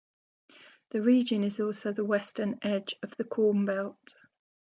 The region is also the western edge of the Corn Belt.